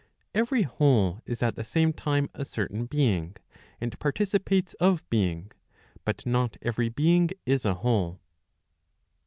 Every whole is at the same time a certain being, and participates of being, but not every being is a whole.'